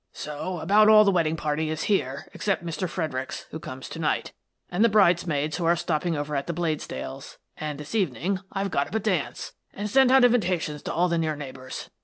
So about all the wedding party is here, except Mr. Fredericks, who comes to night, and the bridesmaids who are stopping over at the Bladesdells', and this evening I've got up a dance, and sent out invitations to all the near neighbours.